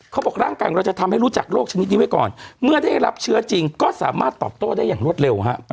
เขาบอกร่างกายของเราจะทำให้รู้จักโรคชนิดนี้ไว้ก่อนเมื่อได้รับเชื้อจริงก็สามารถตอบโต้ได้อย่างรวดเร็วฮะ